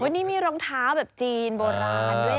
อันนี้มีรองเท้าเจียนโบราณด้วย